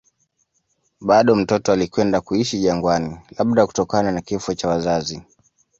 Bado mtoto alikwenda kuishi jangwani, labda kutokana na kifo cha wazazi.